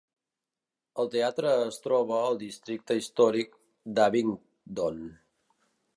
El teatre es troba al districte històric d'Abingdon.